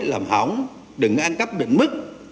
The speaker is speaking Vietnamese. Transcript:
làm hỏng đừng có ăn cắp đừng mất